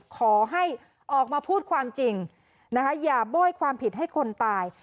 ขอให้ออกมาพูดความจริงนะคะอย่าโบ้ยความผิดให้คนตาย